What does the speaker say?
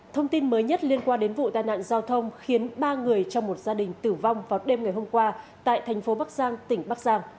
thông tin mới nhất liên quan đến vụ tai nạn giao thông khiến ba người trong một gia đình tử vong vào đêm ngày hôm qua tại thành phố bắc giang tỉnh bắc giang